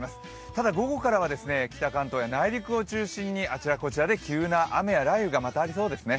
ただ、午後からは北関東や内陸を中心にあちらこちらで急な雨や雷雨がまたありそうですね。